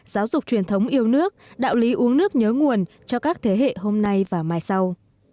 giáo dục truyền thống yêu nước đạo lý uống nước nhớ nguồn cho các thế hệ hôm nay và mai sau